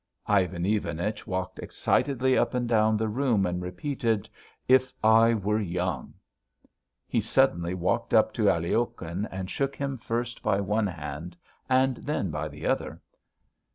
Ivan Ivanich walked excitedly up and down the room and repeated: "If I were young." He suddenly walked up to Aliokhin and shook him first by one hand and then by the other.